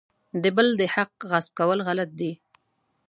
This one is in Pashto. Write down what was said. د بل د حق غصب کول غلط دي.